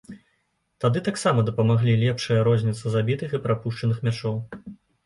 Тады таксама дапамаглі лепшая розніцы забітых і прапушчаных мячоў.